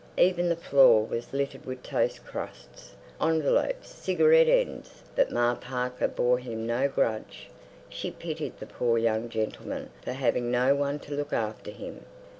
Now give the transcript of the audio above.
Even the floor was littered with toast crusts, envelopes, cigarette ends. But Ma Parker bore him no grudge. She pitied the poor young gentleman for having no one to look after him.